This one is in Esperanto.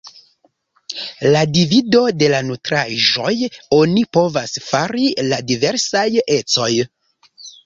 La divido de la nutraĵoj oni povas fari la diversaj ecoj.